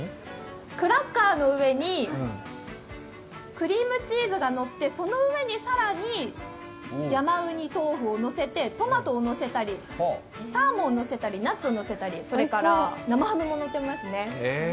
クラッカーの上にクリームチーズがのってそのうえに更に山うにとうふをのせてトマトをのせたり、サーモンをのせたり、ナッツをのせたり、それから生ハムものってますね。